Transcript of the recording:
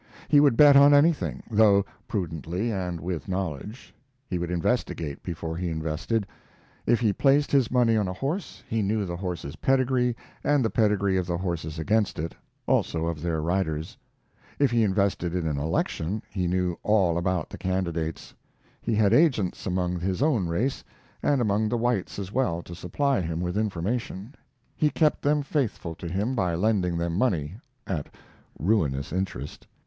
He would bet on anything, though prudently and with knowledge. He would investigate before he invested. If he placed his money on a horse, he knew the horse's pedigree and the pedigree of the horses against it, also of their riders. If he invested in an election, he knew all about the candidates. He had agents among his own race, and among the whites as well, to supply him with information. He kept them faithful to him by lending them money at ruinous interest.